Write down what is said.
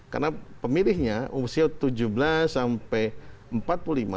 karena pemilihnya umusnya tujuh belas sampai empat puluh lima